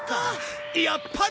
やっぱり。